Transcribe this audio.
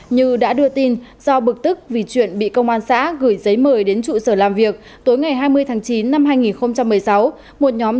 như đã đưa tin do bực tức vì chuyện bị công an xã gửi giấy mời đến trụ sở làm việc tối ngày hai mươi tháng chín năm hai nghìn một mươi sáu